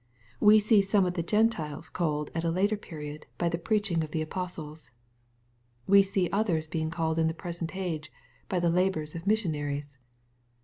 We see some of the Gentiles called at a later period, by the preaching of the apostles. We see others being called in the present age, by the labors of missionaries.